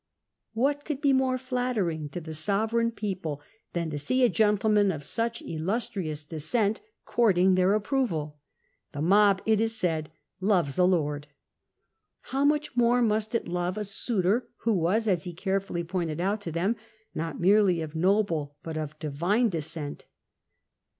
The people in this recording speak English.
What could be more flattering to the sovereign people than to see a gentleman of such illustrious descent courting their approval ? Tb.e mob, it is said, " loves a lord." How much more must it love a suitor who was, as he carefully pointed out to them, not merely of noble, but of divine descent